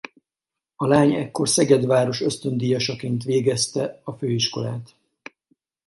A lány ekkor Szeged város ösztöndíjasaként végezte a főiskolát.